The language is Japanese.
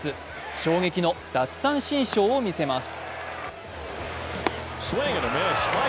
衝撃の奪三振ショーを見せます。